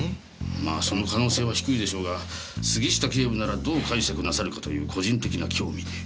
まあその可能性は低いでしょうが杉下警部ならどう解釈なさるかという個人的な興味で。